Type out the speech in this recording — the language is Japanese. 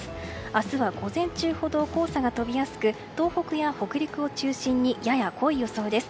明日は午前中ほど黄砂が飛びやすく東北や北陸を中心にやや濃い予想です。